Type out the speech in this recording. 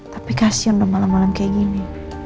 tapi kasian dong malam malam kayak gini